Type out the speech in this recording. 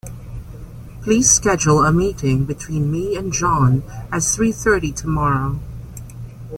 Please schedule a meeting between me and John at three thirty tomorrow.